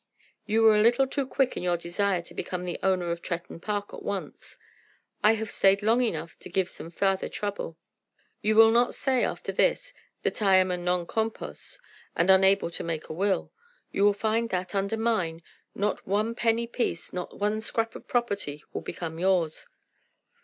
You were a little too quick in your desire to become the owner of Tretton Park at once. I have stayed long enough to give some farther trouble. You will not say, after this, that I am non compos, and unable to make a will. You will find that, under mine, not one penny piece, not one scrap of property, will become yours.